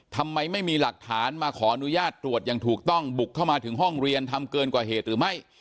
ทำไมไม่มีหลักฐานมาขออนุญาตตรวจอย่างถูกต้องบุกเข้ามาถึงห้องเรียนทำเกินกว่าเหตุหรือไม่